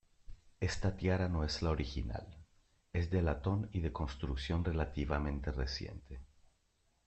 Esta tiara no es la original; es de latón y de construcción relativamente reciente.